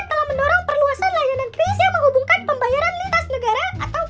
telah mendorong perluasan layanan kreasi yang menghubungkan pembayaran lintas negara